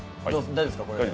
大丈夫です。